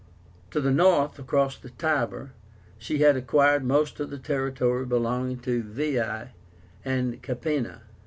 To the north, across the Tiber, she had acquired most of the territory belonging to VEII and CAPÉNA.